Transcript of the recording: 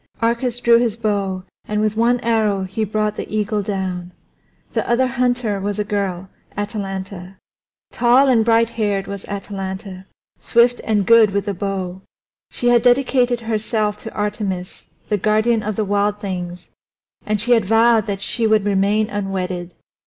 Arcas drew his bow, and with one arrow he brought the eagle down. The other hunter was a girl, Atalanta. Tall and brighthaired was Atalanta, swift and good with the bow. She had dedicated herself to Artemis, the guardian of the wild things, and she had vowed that she would remain unwedded.